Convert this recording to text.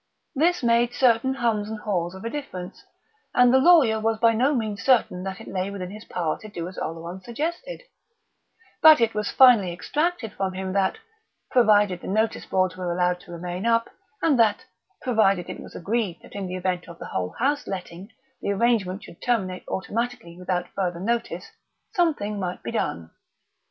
This made certain hums and haws of a difference, and the lawyer was by no means certain that it lay within his power to do as Oleron suggested; but it was finally extracted from him that, provided the notice boards were allowed to remain up, and that, provided it was agreed that in the event of the whole house letting, the arrangement should terminate automatically without further notice, something might be done.